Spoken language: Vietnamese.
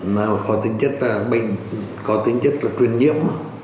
nó có tính chất là bình có tính chất là truyền nhiễm